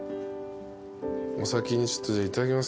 お先にちょっといただきます。